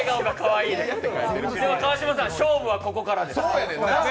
川島さん、勝負はここからです。